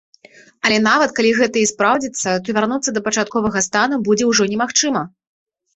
Але нават калі гэта і спраўдзіцца, то вярнуцца да пачатковага стану будзе ўжо немагчыма.